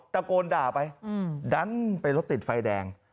ตะโกนด่าไปดันไปรถติดไฟแดง